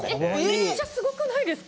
めっちゃすごくないですか？